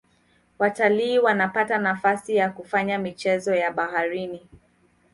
watalii wanapata nafasi ya kufanya michezo ya baharini